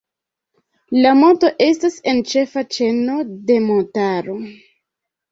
La monto estas en ĉefa ĉeno de montaro.